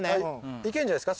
いけんじゃないですか